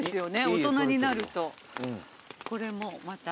大人になるとこれもまた。